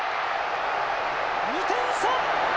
２点差！